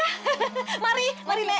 hahaha mari mari nek